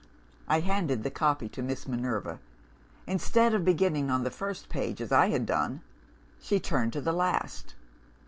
I handed the copy to Miss Minerva. Instead of beginning on the first page, as I had done, she turned to the last.